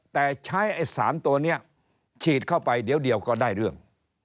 แต่ใช้ไอ้สารตัวนี้ฉีดเข้าไปเดี๋ยวก็ได้เรื่อง